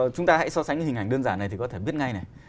chúng ta hãy so sánh hình ảnh đơn giản này thì có thể biết ngay này